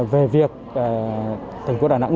về việc thành phố đà nẵng